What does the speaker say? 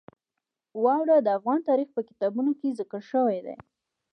واوره د افغان تاریخ په کتابونو کې ذکر شوی دي.